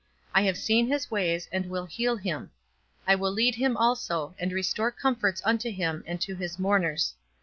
I have seen his ways, and will heal him: I will lead him also, and restore comforts unto him and to his mourners.